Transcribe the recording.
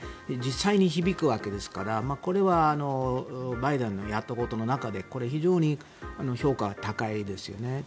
実際に響くわけですからこれはバイデンのやったことの中で非常に評価が高いですよね。